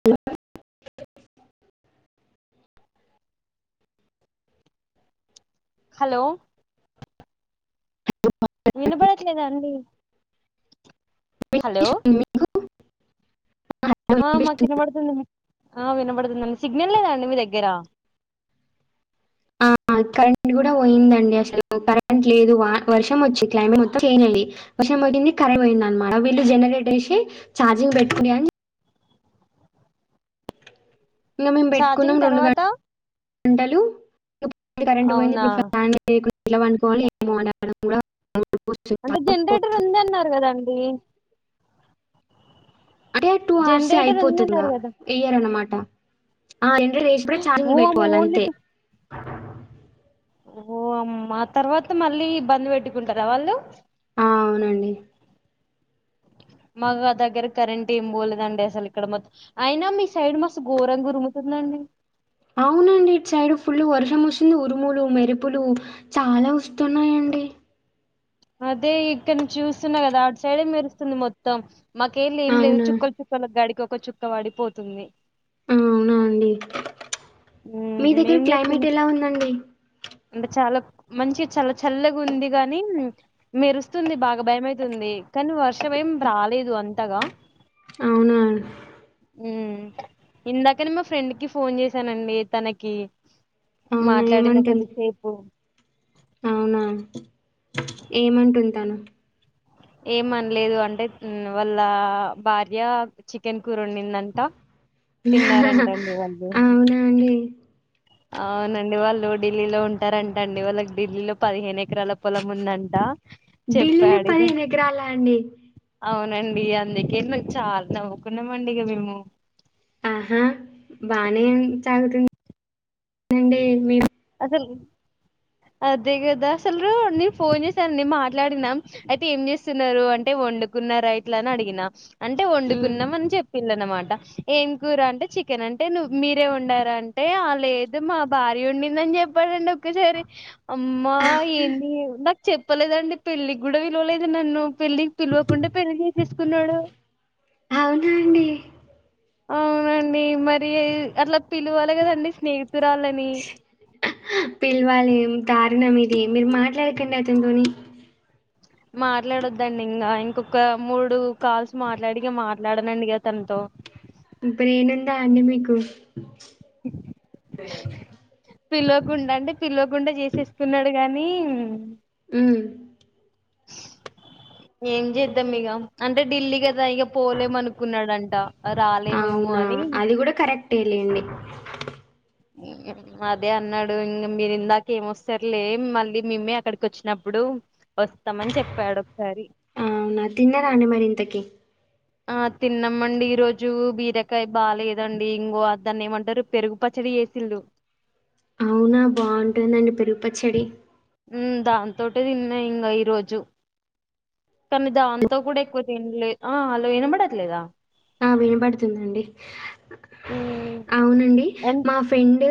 హ ల్ హలో వినబడట్లేదా అండి హలో హలో ఆ వినిపిస్తుంది. మాకినబడుతుండి ఆ వినబడుతుం సిగ్నల్ లేదాం మీదగ్గరా ఆ కరెంట్ గుడా పోయిందండి అసలు కరెంట్ లేదు వా వర్షం ఒచ్చి క్లైమేట్ మొత్తం చంజ్ వర్షం పోయింది కరెంట్ పోయింది అనమా వీళ్ళు జనరేట్ ఎసి ఛార్జింగ్ పెట్టుకోడి అని ఇంక మేమ్ పెట్టుకున్నం ఛార్జింగ్ రెండు గం తర్వాత టలు కరెంట్ పోయింది అవునా ఇప్పుడు ఫ్యాన్ ఎలా వండుకోవాలో ఎమో అంటే జనరేటర్ ఉంది అన్నారు గదా అండీ అంటే టూ హార్సే జనరేటర్ ఐపోతుందింగా ఉందన్నారు కదా ఎయర్ అనమాట డ ఆ ఎం దష్ ఛార్జింగ్ ఓ అమ్మ పెట్టుకోవాలి ఓన్లీ అంతే టు ఓ అమ్మ తర్వాత మళ్ళీ బందు పెట్టుకుంటారా వాళ్ళు ఔనండి మాగ దగ్గర కరెంట్ ఏమ్ పోలేదండి అసలు ఇక్కడ మొత్ ఐనా మీ సైడ్ మస్తు ఘోరం గురుముతుందండి ఔనండి ఇట్ సైడ్ ఫుల్ వర్షం ఓస్సుంది ఉరుములు మెరుపులు చాలా ఒస్తున్నాయిండి అదే ఇక్కనుంచి చూస్తున్నా గాదా అట్ సైడే మెరుస్తుంది మొత్తం మాకెళ్ళి ఏం లేదు అవునా చుక్కలు చుక్కలగాడికో క్క చుక్క పడిపోతుంది ఆ అవునా అండి మీ హ్మ్ దగ్గర ఏం చేస్తున్నా క్లైమేట్ ఎలా ఉందండి అంటే చాలా మంచి చల్ల చల్లగా ఉంది గాని మెరుస్తుంది బాగా భయమైతుంది కానీ వర్షం ఏమ్ రాలేదు అంతగా అవునా ఉ ఇందాకనే మా ఫ్రెండ్ కి ఫోన్ జెసి సానండి తనకి అవునా మాట్లాడిన ఏమంటుంది కొద్దిసేపు అవునా ఏమంటుంది తను ఏమన్లేదు అంటే వాళ్ళ భార్య చికెన్ కూర వొండిందంట తిన్నారంటండి వాళ్ళు అవునా అండి అవునండి వాళ్ళు ఢిల్లీలో ఉంటారంట అండి వాళ్ళకి ఢిల్లీలో పదిహేను ఎ ఎకరాల పొలం ఉందంట ఢిల్లీలో చెప్పాడు ఇగ పదిహేను ఎకరాల అండి అవునండి అందుకే మేము చాల నవ్వుకున్నామండి ఇగ మేము ఆహా బానే సాగుతుం నండే మీరు అసలు అదే గదా అసలు నేను ఫోన్ చేసానండి మాట్లాడిన్నాం అయితే ఏం చేస్తున్నారు అంటే వండుకున్నారా ఇట్లా అని అడిగిన అంటే ఉమ్. వండుకున్నాం అని చెప్ ప్పిండు అనమాట ఏం కూర అంటే చికెన్ అంటే నువ మీరే వండార అంటే అ లేదు దు మా భార్య వండిందని చెప్పాడండి ఒకేసారి అమ్మా ఏంది నాకు చెప్పలేదండి పెళ్ళికి గూడ పిలువలేదు నన్ను పెళ్ళికి పిలువకుండా పెళ్లి చేసేసుకున్నాడు అవునా అండి అవునండి మరి అట్ల పిలువాలె గదండి స్నేహి తురాల్లని పిలవాలి దారుణం ఇది మీరు మాట్లాడకండి అతని తోని మాట్లాడొద్దండి ఇంగ ఇంకొక మూడు కాల్స్ మాట్లాడి ఇంగ మాట్లాడనండి ఇగ తనతో బ్రెయిన్ ఉందా అండి మీకు పిలవకుండ అంటే పిలవకుండ చేసేసుకున్నాడు గానీ ఉ ఏం చేద్దాం ఇగ అంటే ఢిల్లీ గదా ఇగ పోలేము అనుకున్నాడం ట అవునా అది గూడ కరెక్టే లేండి అదే అన్నాడు ఇంగ మీరు ఇందాక ఏమొస్తారు లే మళ్ళీ మేమె అక్కడికి వచ్చినప్పుడు వస్తామని చెప్పాడు ఒకసారి అవునా తిన్నరా అండి మరి ఇంతకి ఆ తిన్నామండి ఈ రోజు బీరకాయ బాలేదండి ఇంగో అ దాన్ని ఏమంటారు పెరుగు పచ్చడి చేసిండు అవున బాగుంటుందండి పెరుగుపచ్చడి ఉ దాంతోటే దిన్నా ఇంగ ఈ రోజు కానీ దాంతో కూడ ఎక్కువ తిన్లే ఆ లో ఇనబడట్లేద ఆ వినబడుతుంది అండి హ్మ్. అవునండి ఎన్ మా ఫెండు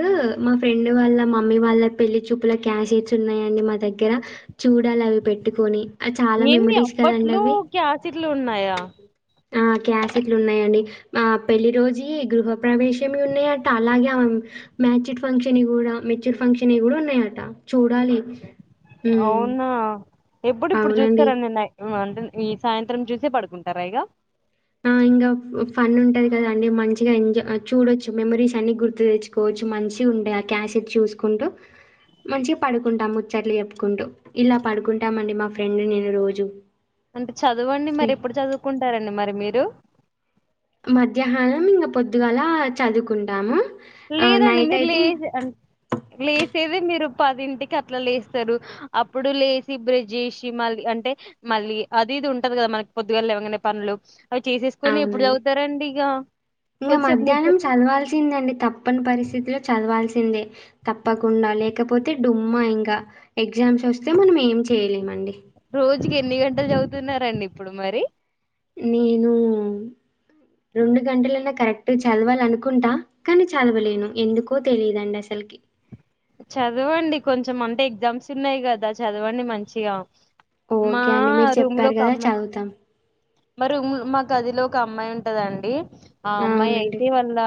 మా ఫ్రెండ్ వాళ్ళ మమ్మీ వాళ్ళ పెళ్లి చూపుల క్యాసెట్స్ ఉన్నాయి అండి మా దగ్గర చూడాలి అవి పెట్టుకొని చాల మెమోరీస్ కదండి అవి లు ఉన్నాయా ఆ క్యాసెట్లు ఉన్నాయండి ఆ పెళ్లి రోజీ గృహ ప్రవేశమ్లు ఉన్నాయట అలాగే మ్యాచ్యడ్ ఫంక్షన్ కూడా మెచ్యూర్ ఫంక్షని కూడ ఉన్నాయట చూడాలి హ్మ్. అవునా ఎప్పుడిప్పుడు అవునండి. చూస్తారండి నై ఈ సాయంత్రం చూసే పడుకుంటారా ఇగా ఆ ఇంకా ఫన్ ఉంటది కదా అండి మంచిగా ఎంజాయ్ చూడొచ్చు మెమరీస్ అన్ని గుర్తు తెచ్చుకోవచ్చు మంచిగా ఉంటాయి ఆ క్యాసెట్ చూసుకుంటూ మంచిగా పడుకుంటాము ముచ్చట్లు చెప్పుకుంటూ ఇలా పడుకుంటామండి మా ఫ్రెండ్ నేను రోజు అంటే చదవండి స్నే మరి ఎప్పుడు చదువుకుంటారండి మరి మీరు డు మధ్యాహ్నం ఇంక పొద్దుగాలా చదువుకుంటాము ఆహ్, లేదండి మీరు నైటయితే లే ఇంగ్ లేసేదె మీరు పదింటికి అట్లా లేస్తారు అప్పుడు లేసి బ్రెష్ జేసి మళ్ళీ అంటే మళ్ళీ అది ఇది ఉంటది కదా మనకి పొద్దుగాళ లేవగనే పనులు అవి చేసేసుకొని ఎప్పుడు అవునండి. చదువుతారండి ఇగ ఇంగ కొద్దిసేపు మధ్యాహ్నం ముచ్చట్లు చదవాల్సిందండి. తప్పని పరిస్థితులు చదవాల్సిందే తప్పకుండాలే లేకపోతే డుమ్మా ఇంకా ఎగ్జామ్స్ వస్తే మనం ఏం చేయలేమండి రోజుకి ఎన్ని గంటలు చదువుతున్నారండి ఇప్పుడు మరి నేను రెండు గంటలన్నా కరెక్ట్ చదవాలనుకుంటా కానీ చదవలేను ఎందుకో తెలియదండి అసలకి చదవండి కొంచెం అంటే ఎగ్జామ్స్ ఉన్నాయి కదా చదవండి మంచిగా మా ఓకే అండి. మీరు రూమ్ చెప్పారు లోకి గదా! అమ్మాయి చదువుతాం. మా రూమ్ మా గదిలో ఒక అమ్మాయి ఉంటదండి ఆ అమ్మాయి అవునండి. అయితే వాళ్ళ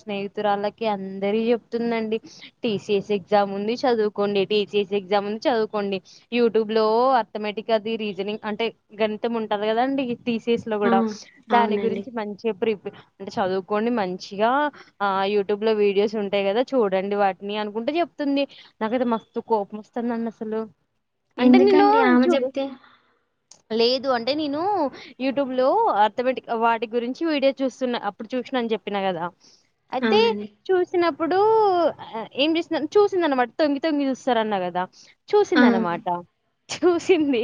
స్నేహితురాళ్ళకి అందరికి చెప్తుందండి టీసీఎస్ ఎగ్జామ్ ఉంది చదువుకోండి టీసిఎస్ ఎగ్జామ్ ఉంది చదువుకోండి యూట్యూబ్ లో అరథమేటిక్ అది రీజనింగ్ అంటే గణితం ఉంటంది కదండి టీసీస్ లో ఆ! కూడా దాని అవునండి. గురించి మంచిగా ప్రిప అంటే చదువుకోండి మంచిగా ఆ యూట్యూబ్ లో వీడియోస్ ఉంటాయి కదా చూడండి వాటిని అను కుంట చెప్తుంది నాకైతే మస్తు కోపం వస్తుందండి అసలు అంటే నేను ఎందుకండి ఆమె చూ చెప్తే లేదు అంటే నేను యూట్యూబ్ లో అర్థమేటిక్ వాటి గురించి వీడియో చూస్తున్నా అప్పుడు చూసినా అని చెప్పినా కదా అయితే అవునండి. చూసినపు ఇప్పుడు ఏం చేసింద చూసింది అనమాట తొంగి తొంగి చూస్తార అన్నా కదా ఆ! చూసిందన్నమాట చూసింది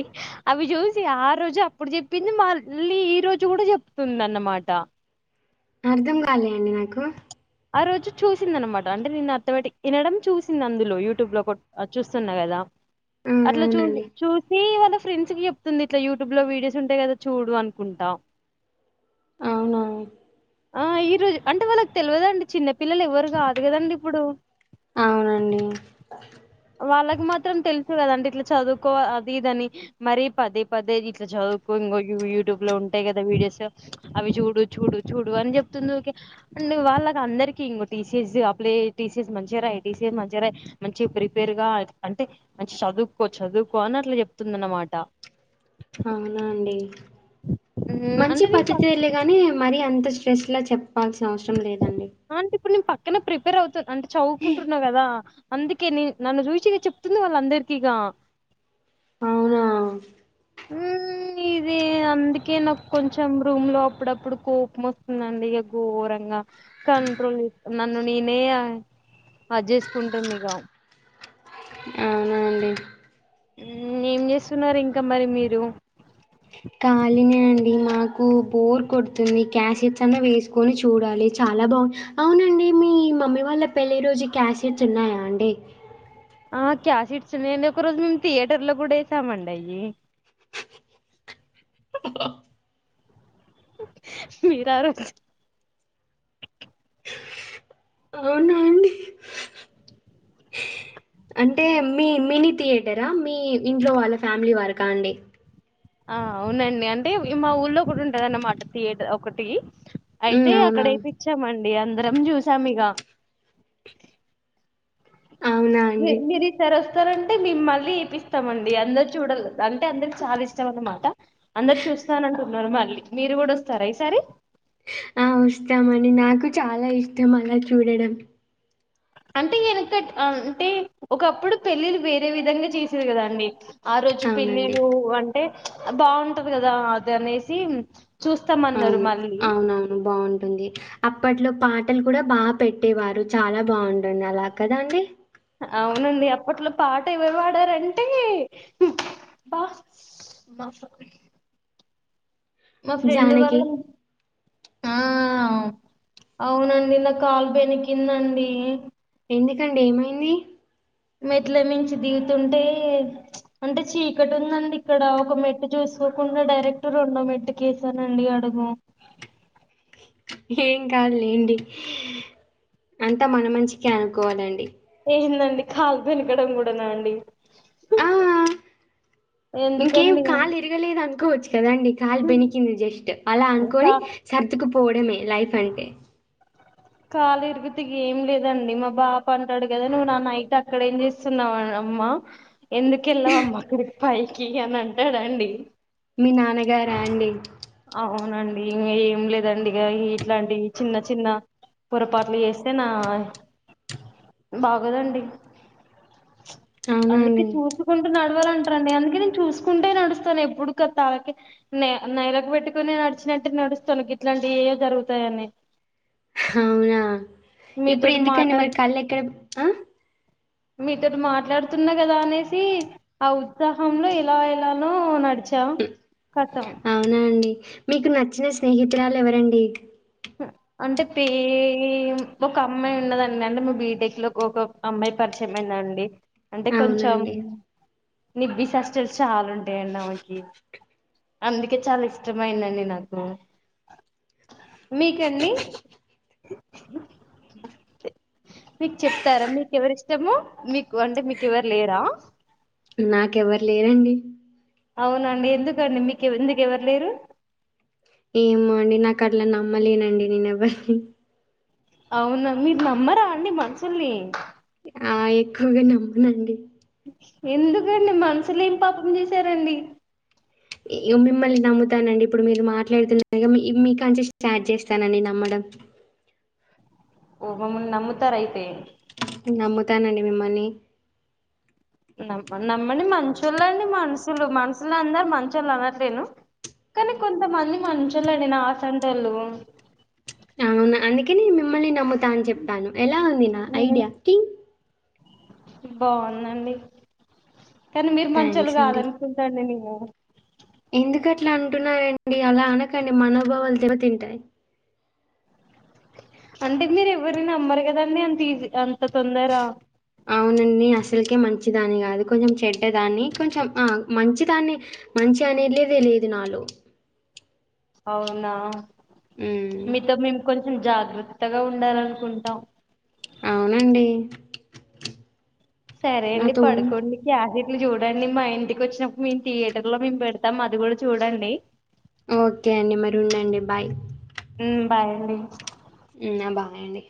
అవి చూసి ఆ రోజు అప్పుడు చెప్పింది మళ్ళీ ఈ రోజు కూడా చెప్తుంది అన్నమాట అర్ధం కాలే అండి నాకు ఆ రోజు చూసింది అనమాట అంటే నేను అర్థమటిక్ ఇనడం చూసి తుంది అందులో యూట్యూబ్ లో కోట్ అది చూస్తున్నా కదా ఆ! అట్లా చూ అవునండి. చూసి వాళ్ళ ఫ్రెండ్స్ కి చెప్తుంది ఇట్లా యూట్యూబ్ లో వీడియోస్ ఉంటాయి కదా చూడు అనుకుంటా అవునవును ఆ ఈ రోజు అంటే వాళ్ళకి తెలవదండి చిన్న పిల్లలు ఎవ్వరు కాదు కదండి ఇప్పుడు అవునండి వాళ్ళకి మాత్రం తెలుసు కదా అంటే ఇట్లా చదువుకో అది ఇది అని మరి పదే పదే ఇట్లా చదువుకో ఇంకో యూట్యూబ్ లో ఉంటాయి కదా వీడియోస్ అవి చూడు చూడు చూడు అని చెప్తుంది ఓకే అండ్ వాళ్ళకి అందరికిీ ఇంకో టీసీఎస్ అప్లై టీసీఎస్ మంచిగా రాయి టీసీఎస్ రాయి మంచిగా ప్రిపేర్ పేరుగా అంటే మంచి చదువుకో చదువుకో అని అట్లా చెప్తుంది అన్నమాట అవునా అండి హ్మ్, మంచి అంటే నేను పక్ పద్ధతి లే గాని మరి అంత చే చేస్ట్లా చెప్పు చెప్పాల్సిన అవసరం లేదండి ఎమ్ ప్రిపేర్ అవుతు అంటే చదువుకుంటున్నా కదా అందుకే నే నన్ను చూసి చెప్తుంది వాళ్ళ అందరికిీ ఇగ నా ఉ ఇది అందుకే నాకు కొంచెం రూమ్ లో అప్పుడప్పుడు కోపం వస్తుందండి ఇక ఘోరంగా కంట్రోల్ ఇ నన్ను నేనే అజె చేసుకుంటూనేగా అవునానండి ఏం చేస్తున్నారు ఇంకా మరి మీరు కాలిన అండి మాకు బోర్ కొడుతుంది క్యాసెట్స్ అన్నా వేసుకొని చూడాలి చాలా బాగు అవునండి మీ మమ్మీ వాళ్ళ పెళ్ళి రోజు క్యాసెట్స్ ఉన్నాయా అండి ఆ క్యాసి ఇట్స్ ఉన్నా అండి ఒక రోజు మేము థియేటర్లో కూడా వేసామండి అయి మీరా రోజ్ అవునా అండి అంటే మీ మినీ థియేటరా మీ ఇంట్లో వాళ్ళ ఫ్యామిలీ వరక అండి ఆ అవునండి అంటే ఇగ మా ఊళ్లో ఒక ఉంటది అన్నమాట థియాక్టర్ ఒకటికి ఉమ్ అయితే అక్కడ అవునా ఏపిచ్చామండి అడే అందరం చూసాం ఇక అవునా ని అండి నిరితర స్తారంటే మేము మళ్ళీ ఏపిస్తామ అండి అందరు చూడండి అంటే అందరికి చాలా ఇష్టం అన్నమాట అందరు చూస్తానంటూ మళ్ళీ మీరు కూడా వస్తారా ఈసారి ఆ వస్తామండి నాకు చాలా ఇష్టం అలా చూడడం అంటే ఎనకట్ అంటే ఒకప్పుడు పెళ్ళిళ్ళ వేరే విధంగా చేసారు కదాండి ఆ రోజు అవునండి పెళ్ళిళ్లు అంటే బాగుంటది కదా అది అనేసి చూస్తామన్నారు ఔను మళ్ళీ ఔనవ్ను బావుంటుంది అప్పట్లో పాటల్ కూడా. బా పెట్టేవారు చాలా బావుంటుంది అలా కద అండి. ఔనండి అప్పట్లొ పాట ఎవర్ పాడారంటే బ మ. మ ఫ్రెండ్ వల్ల. జానకి ఆ అవ్ ఔనండి నా కాల్ బెనికిందండి. ఎందికండి ఏమైంది. మెట్ల మించి దిగుతుంటే చ్ అంటె చీకటుందండిక్కడ ఒక మెట్టు చూసుకోకుండ డైరెక్ట్ రొండో మెట్టుకేసానండి అడుగు. ఏం కాదులేండి అంతా మన మంచికే అనుకోవాలండి. ఏందండి ఖాల్ బెనకడం గూడనా అండి. ఆ ఇంకేం ఎందుకండి కాలిరగలేదనుకోవచ్చు కదండి కాల్ బెనికింది జస్ట్ అలా అన్కోని కా సర్దుకు. పోడమే లైఫంటె. కాలిరిగితె ఏం లేదండి మా బాపంటడ్ గద నువ్ నా నైట్ అక్కడేం జేస్తున్నావనమ్మ. ఎందుకెల్లావమ్మ అక్కడి పైకి అనంటాడండి మి నాన్నగారా అండి. ఔనండి ఇంగేం లేదండి ఇగ ఇ ఇట్లాంటి చిన్న చిన్న పొరపాట్లు జేస్తేనా బాగోదండి. అవునా అందుకె అండి. చూసుకుంటూ నడు నడ్వాలంట్రండి అందుకే నేన్ చూసుకుంటే నడుస్తాను ఎప్పుడు కతల్ కి నే నై. [unintelligible] గ పెట్టుకొని నడిచినట్టే నడుస్తను గిట్లాంటివే జరుగుతాయని. ఔనా ఇప్పుడు మీతోటి ఎందుకండి మాట్లాడు మరి కళ్ళెక్కడ పె అ. మీతోటి మాట్లాడుతున్న కదా అనేసి ఆ ఉత్సాహంలో ఇలా ఎలానో నడి. ఔనా అండి. మీకు నచ్చిన స్నేహితురాలెవరండి. అంటే పే ఒక అమ్మాయున్నదండి అంటె మా బీటెక్ లోక్ ఒక అమ్మాయ్ పర్చమైందండి అంటె. అవునా కొంచెం అండి. నిబ్బి సస్టల్ షాలుంటాయండామెకి అందుకె చాలిష్టమైందండి నాకు. మీకండి మీక్ చెప్తారా మీకెవరిష్టము మీకు అంటె మీకెవర్ లేరా. నాకెవ్వర్ లేరండి. ఔనండి ఎందుకండి మీకె ఎందుకెవ్వర్ లేరు. ఏమో అండి నాకట్ల నమ్మలేనండి నేనెవ్వర్ని. ఔన మీర్ నమ్మరా అండి మన్షుల్ని. ఆ ఎక్కువ్గా నమ్మనండి. ఎందుకండి మన్సులేం పాపం జేశారండి. ఇ మిమ్మల్ని నమ్ముతానండి ఇప్పుడు మీరు మాట్లాడుతున్నార్గా మి మీకంచి స్టార్ట్ జేస్తానండి నమ్మడం. ఓహొ మున్ నమ్ముతారైతె. నమ్ముతానండి మిమ్మల్ని. నమ్మ నమ్మండి మంచోళ్ళేండి మన్సులు మన్సులందర్ మంచళ్ళనట్లేను కని కొంతమంది మంచోళ్ళండి నాఅసంటోళ్ళు. ఔన అందుకే మిమ్మల్ని నమ్ము. త అన్ చెప్తాను ఎలా ఉంది నా ఐడియా కింగ్. బాందండి. కాని మీర్ మంచోల్లు థ్యాంక్స్ అండి. కాదన్కుంటా అండి నేము. ఓ ఎందుకు అట్లా అంటున్నారండి అలా అనకండి మనోభావాలు దెబ తింటాయి అంటే మీరు ఎవ్వరు నమ్మరు కదండి అంత ఈజీ అం అంత తొందరా అసలకే మంచిదాన్ని కాదు కొంచెం చెడ్డ దాన్ని కొంచెం ఆ మంచిదాన్ని మంచి అనేదే తెలీదు నాలో అవునా హ్మ్ మీతో మేం కొం జాగ్రత్తగా ఉండాలనుకుంటాం అవునండి సరే అండి నాతో ఉన్ పడుకోండి క్యాసీ చూడండి మా ఇంటికి వచ్చినప్పుడు మేము థియేటర్ లో మేము పెడతాం అది కూడా చూడండి. ఓకే అండి మరి ఉండండి బాయ్ హ్మ్ బాయండి హ్మ్ బాయండి